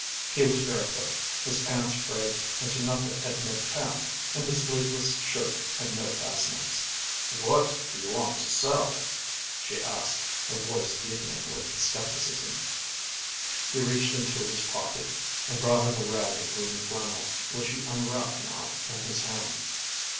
He was barefoot; his pants frayed into nothing at mid calf, and his sleeveless shirt had no fastenings. "What do you want to sell?" she asked, her voice deepening with skepticism. He reached into his pocket, and brought out a rag of green flannel, which he unwrapped now in his hand.